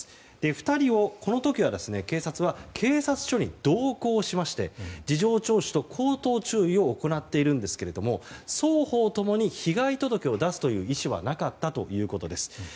２人を、この時は警察は警察署に同行しまして事情聴取と口頭注意を行っているんですけど双方共に被害届を出す意思はなかったということです。